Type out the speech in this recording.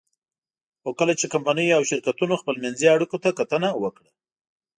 خو کله چې کمپنیو او شرکتونو خپلمنځي اړیکو ته کتنه وکړه.